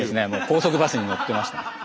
高速バスに乗ってました。